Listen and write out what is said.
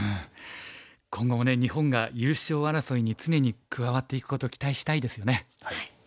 今後もね日本が優勝争いに常に加わっていくことを期待したいですよね。